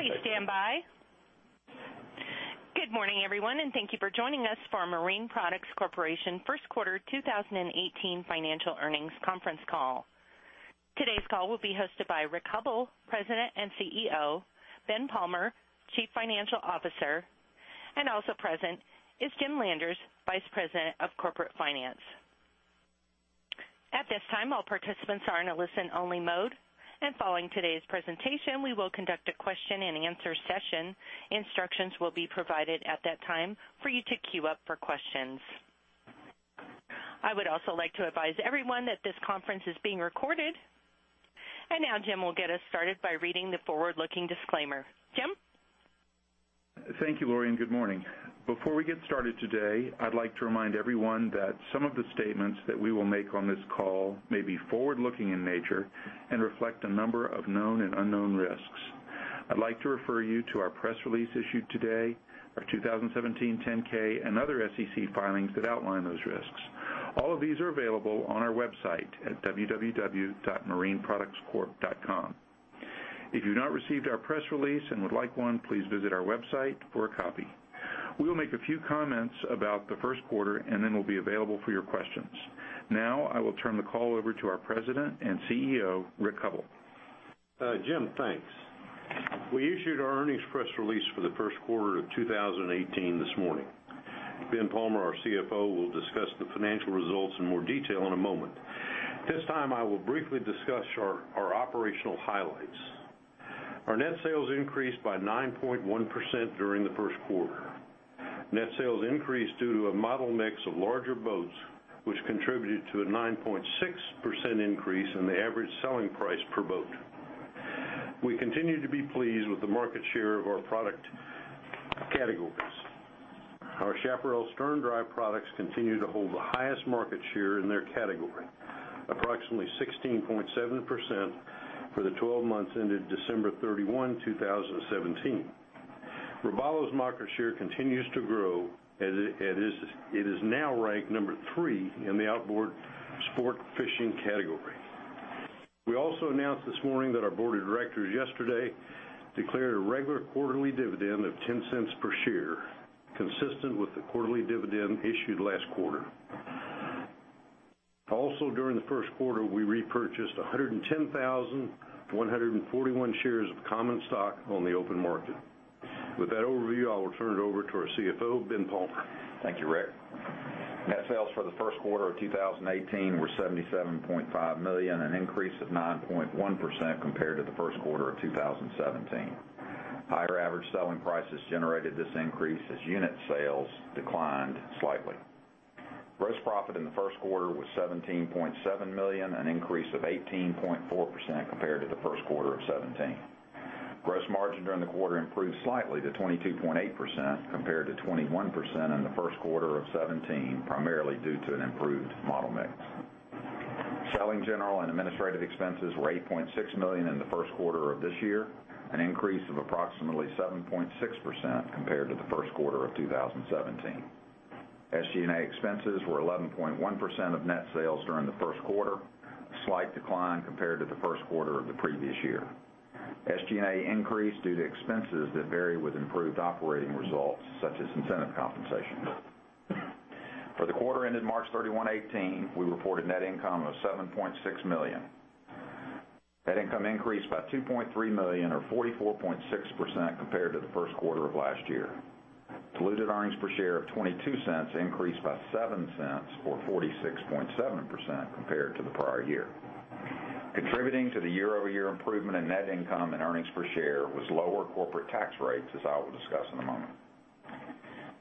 Please stand by. Good morning, everyone, and thank you for joining us for our Marine Products Corporation First Quarter 2018 Financial Earnings Conference Call. Today's call will be hosted by Rick Hubbell, President and CEO; Ben Palmer, Chief Financial Officer; and also present is Jim Landers, Vice President of Corporate Finance. At this time, all participants are in a listen-only mode, and following today's presentation, we will conduct a question-and-answer session. Instructions will be provided at that time for you to queue up for questions. I would also like to advise everyone that this conference is being recorded. Now, Jim will get us started by reading the forward-looking disclaimer. Jim? Thank you, Loreen. Good morning. Before we get started today, I'd like to remind everyone that some of the statements that we will make on this call may be forward-looking in nature and reflect a number of known and unknown risks. I'd like to refer you to our press release issued today, our 2017 10-K, and other SEC filings that outline those risks. All of these are available on our website at www.marineproductscorp.com. If you've not received our press release and would like one, please visit our website for a copy. We will make a few comments about the first quarter, and then we'll be available for your questions. Now, I will turn the call over to our President and CEO, Rick Hubbell. Jim, thanks. We issued our earnings press release for the first quarter of 2018 this morning. Ben Palmer, our CFO, will discuss the financial results in more detail in a moment. This time, I will briefly discuss our operational highlights. Our net sales increased by 9.1% during the first quarter. Net sales increased due to a model mix of larger boats, which contributed to a 9.6% increase in the average selling price per boat. We continue to be pleased with the market share of our product categories. Our Chaparral Sterndrive products continue to hold the highest market share in their category, approximately 16.7% for the 12 months ended December 31, 2017. Robalo's market share continues to grow, and it is now ranked number three in the outboard sport fishing category. We also announced this morning that our board of directors yesterday declared a regular quarterly dividend of $0.10 per share, consistent with the quarterly dividend issued last quarter. Also, during the first quarter, we repurchased 110,141 shares of common stock on the open market. With that overview, I will turn it over to our CFO, Ben Palmer. Thank you, Rick. Net sales for the first quarter of 2018 were $77.5 million, an increase of 9.1% compared to the first quarter of 2017. Higher average selling prices generated this increase as unit sales declined slightly. Gross profit in the first quarter was $17.7 million, an increase of 18.4% compared to the first quarter of 2017. Gross margin during the quarter improved slightly to 22.8% compared to 21% in the first quarter of 2017, primarily due to an improved model mix. Selling, general and administrative expenses were $8.6 million in the first quarter of this year, an increase of approximately 7.6% compared to the first quarter of 2017. SG&A expenses were 11.1% of net sales during the first quarter, a slight decline compared to the first quarter of the previous year. SG&A increased due to expenses that vary with improved operating results, such as incentive compensation. For the quarter ended March 31, 2018, we reported net income of $7.6 million. Net income increased by $2.3 million, or 44.6%, compared to the first quarter of last year. Diluted earnings per share of $0.22 increased by $0.07, or 46.7%, compared to the prior year. Contributing to the year-over-year improvement in net income and earnings per share was lower corporate tax rates, as I will discuss in a moment.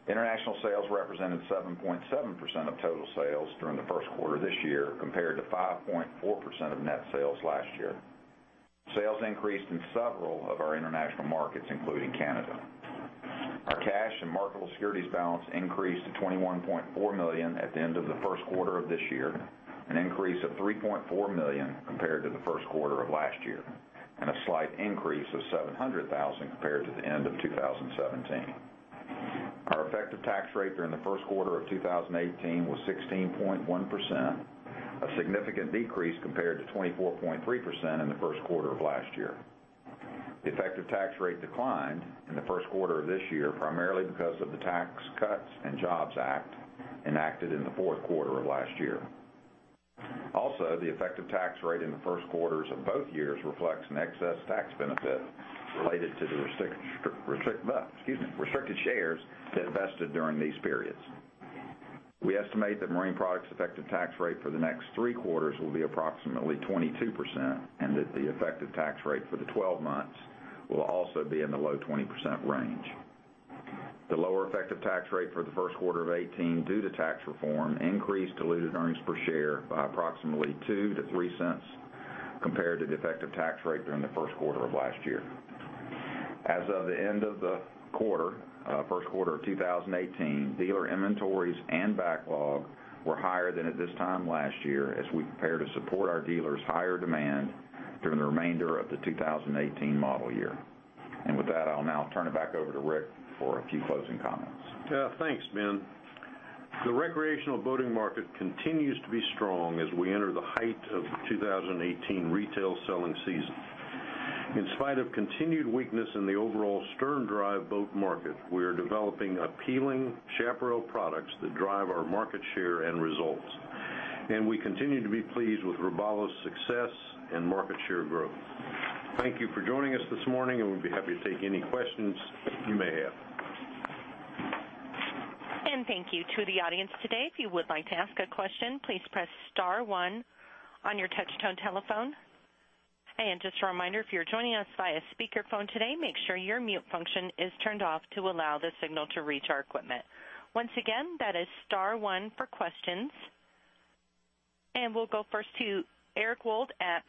International sales represented 7.7% of total sales during the first quarter of this year, compared to 5.4% of net sales last year. Sales increased in several of our international markets, including Canada. Our cash and marketable securities balance increased to $21.4 million at the end of the first quarter of this year, an increase of $3.4 million compared to the first quarter of last year, and a slight increase of $700,000 compared to the end of 2017. Our effective tax rate during the first quarter of 2018 was 16.1%, a significant decrease compared to 24.3% in the first quarter of last year. The effective tax rate declined in the first quarter of this year primarily because of the Tax Cuts and Jobs Act enacted in the fourth quarter of last year. Also, the effective tax rate in the first quarters of both years reflects an excess tax benefit related to the restricted shares vested during these periods. We estimate that Marine Products' effective tax rate for the next three quarters will be approximately 22%, and that the effective tax rate for the 12 months will also be in the low 20% range. The lower effective tax rate for the first quarter of 2018, due to tax reform, increased diluted earnings per share by approximately $0.02-$0.03 compared to the effective tax rate during the first quarter of last year. As of the end of the quarter, first quarter of 2018, dealer inventories and backlog were higher than at this time last year as we prepared to support our dealers' higher demand during the remainder of the 2018 model year. I will now turn it back over to Rick for a few closing comments. Yeah, thanks, Ben. The recreational boating market continues to be strong as we enter the height of the 2018 retail selling season. In spite of continued weakness in the overall Stern Drive boat market, we are developing appealing Chaparral products that drive our market share and results. We continue to be pleased with Robalo's success and market share growth. Thank you for joining us this morning, and we'd be happy to take any questions you may have. Thank you to the audience today. If you would like to ask a question, please press star one on your touch-tone telephone. Just a reminder, if you're joining us via speakerphone today, make sure your mute function is turned off to allow the signal to reach our equipment. Once again, that is star one for questions. We'll go first to Eric Wold at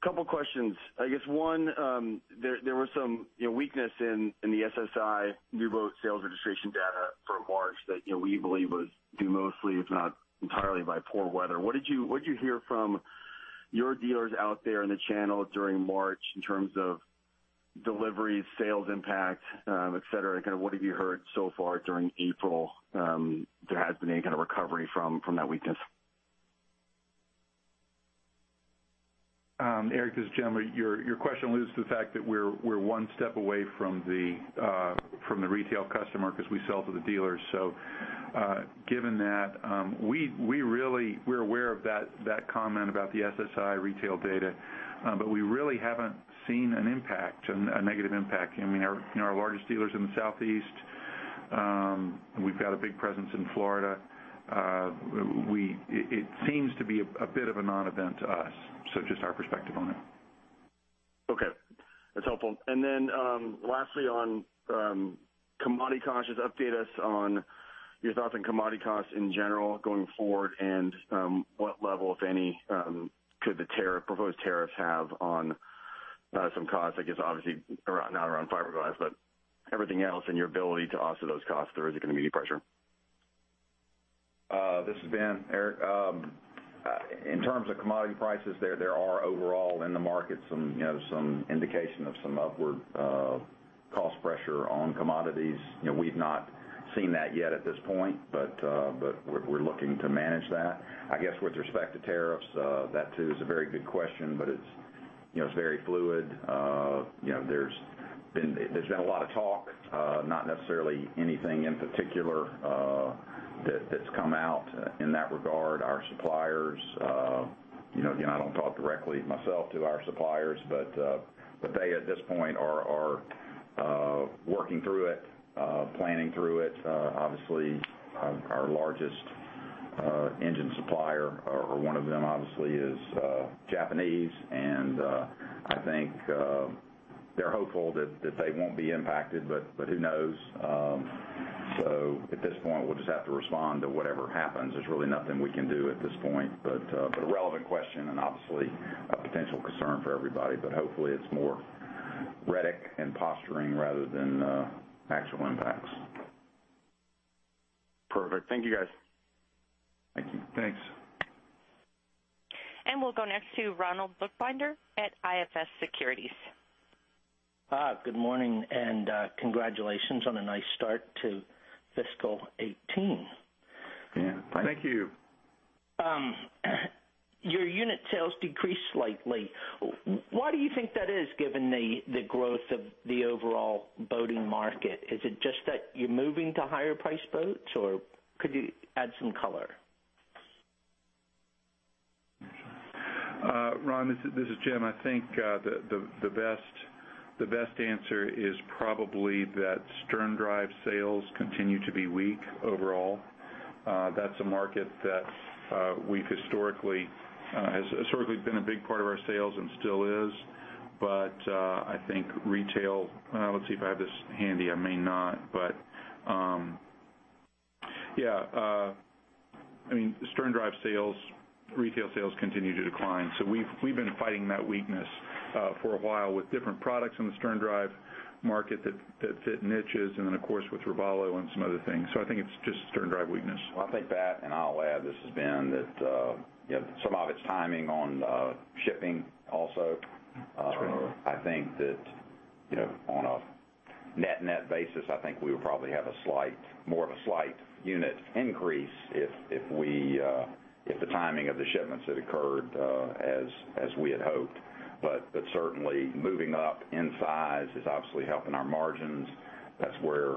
B. Riley. Couple of questions. I guess one, there was some weakness in the SSI new boat sales registration data for March that we believe was due mostly, if not entirely, by poor weather. What did you hear from your dealers out there in the channel during March in terms of deliveries, sales impact, etc.? Kind of what have you heard so far during April? Has there been any kind of recovery from that weakness? Eric, as Jim, your question alludes to the fact that we're one step away from the retail customer because we sell to the dealers. Given that, we're aware of that comment about the SSI retail data, but we really haven't seen a negative impact. I mean, our largest dealers in the Southeast, we've got a big presence in Florida. It seems to be a bit of a non-event to us, just our perspective on it. Okay. That's helpful. Lastly, on commodity costs, just update us on your thoughts on commodity costs in general going forward and what level, if any, could the proposed tariffs have on some costs, I guess, obviously not around fiberglass, but everything else and your ability to offset those costs if there is a commodity pressure. This is Ben. Eric, in terms of commodity prices, there are overall in the market some indication of some upward cost pressure on commodities. We've not seen that yet at this point, but we're looking to manage that. I guess with respect to tariffs, that too is a very good question, but it's very fluid. There's been a lot of talk, not necessarily anything in particular that's come out in that regard. Our suppliers, again, I don't talk directly myself to our suppliers, but they at this point are working through it, planning through it. Obviously, our largest engine supplier, or one of them, obviously, is Japanese. I think they're hopeful that they won't be impacted, but who knows? At this point, we'll just have to respond to whatever happens. There's really nothing we can do at this point, a relevant question and obviously a potential concern for everybody. Hopefully, it's more rhetoric and posturing rather than actual impacts. Perfect. Thank you, guys. Thank you. Thanks. We will go next to Ronald Bookbinder at IFS Securities. Good morning, and congratulations on a nice start to fiscal 2018. Yeah. Thank you. Your unit sales decreased slightly. Why do you think that is, given the growth of the overall boating market? Is it just that you're moving to higher-priced boats, or could you add some color? Ron, this is Jim. I think the best answer is probably that Stern Drive sales continue to be weak overall. That's a market that has historically been a big part of our sales and still is. I think retail—let's see if I have this handy. I may not. I mean, Stern Drive sales, retail sales continue to decline. We have been fighting that weakness for a while with different products in the Stern Drive market that fit niches, and then, of course, with Robalo and some other things. I think it's just Stern Drive weakness. I think that, and I'll add, this has been that some of its timing on shipping also. I think that on a net-net basis, I think we would probably have more of a slight unit increase if the timing of the shipments had occurred as we had hoped. Certainly, moving up in size is obviously helping our margins. That's where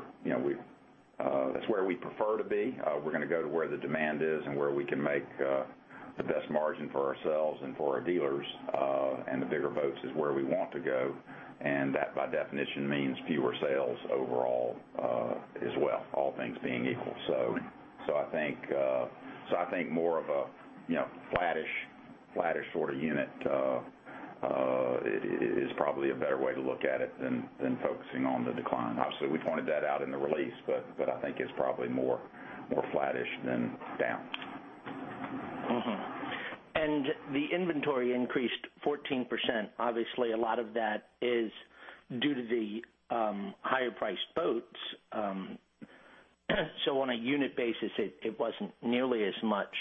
we prefer to be. We're going to go to where the demand is and where we can make the best margin for ourselves and for our dealers. The bigger boats is where we want to go. That, by definition, means fewer sales overall as well, all things being equal. I think more of a flattish sort of unit is probably a better way to look at it than focusing on the decline. Obviously, we pointed that out in the release, but I think it's probably more flattish than down. The inventory increased 14%. Obviously, a lot of that is due to the higher-priced boats. On a unit basis, it was not nearly as much.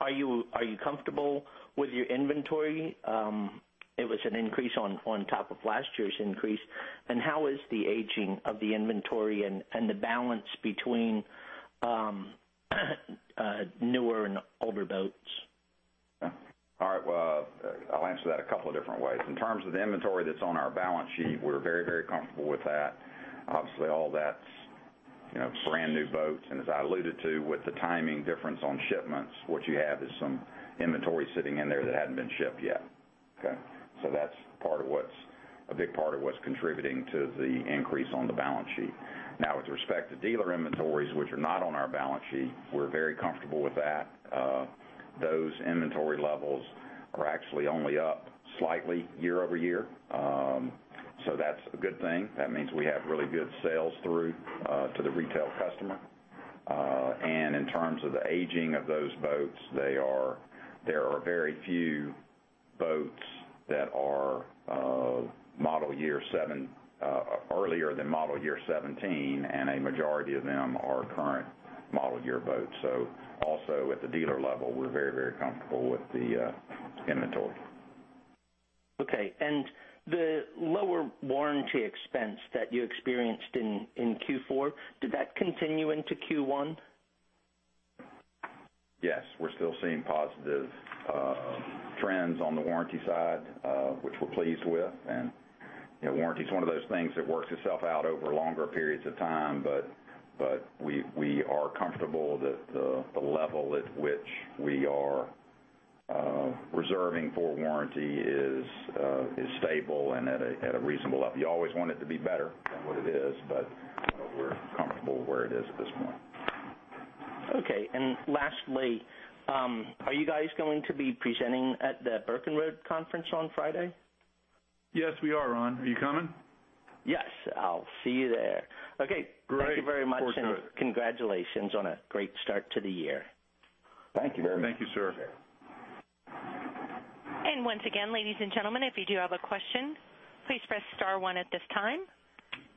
Are you comfortable with your inventory? It was an increase on top of last year's increase. How is the aging of the inventory and the balance between newer and older boats? All right. I'll answer that a couple of different ways. In terms of the inventory that's on our balance sheet, we're very, very comfortable with that. Obviously, all that's brand new boats. As I alluded to, with the timing difference on shipments, what you have is some inventory sitting in there that hadn't been shipped yet. Okay? That's a big part of what's contributing to the increase on the balance sheet. Now, with respect to dealer inventories, which are not on our balance sheet, we're very comfortable with that. Those inventory levels are actually only up slightly year-over-year. That's a good thing. That means we have really good sales through to the retail customer. In terms of the aging of those boats, there are very few boats that are model year 2017 or earlier, and a majority of them are current model year boats. Also, at the dealer level, we are very, very comfortable with the inventory. Okay. The lower warranty expense that you experienced in Q4, did that continue into Q1? Yes. We're still seeing positive trends on the warranty side, which we're pleased with. Warranty is one of those things that works itself out over longer periods of time, but we are comfortable that the level at which we are reserving for warranty is stable and at a reasonable level. You always want it to be better than what it is, but we're comfortable where it is at this point. Okay. Lastly, are you guys going to be presenting at the Burkenroad Conference on Friday? Yes, we are, Ron. Are you coming? Yes. I'll see you there. Okay. Thank you very much. Great. Congratulations on a great start to the year. Thank you very much. Thank you, sir. Once again, ladies and gentlemen, if you do have a question, please press star one at this time.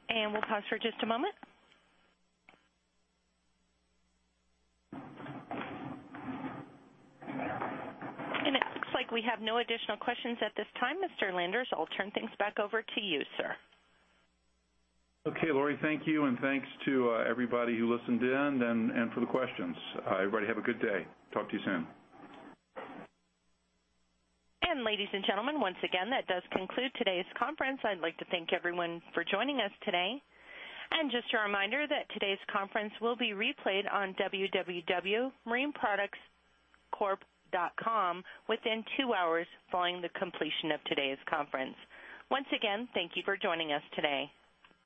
We'll pause for just a moment. It looks like we have no additional questions at this time, Mr. Landers. I'll turn things back over to you, sir. Okay, Lori, thank you. Thank you to everybody who listened in and for the questions. Everybody have a good day. Talk to you soon. Ladies and gentlemen, once again, that does conclude today's conference. I would like to thank everyone for joining us today. Just a reminder that today's conference will be replayed on www.marineproductscorp.com within two hours following the completion of today's conference. Once again, thank you for joining us today.